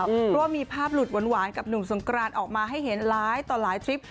เพราะว่ามีภาพหลุดหวานกับหนุ่มสงกรานออกมาให้เห็นหลายต่อหลายทริป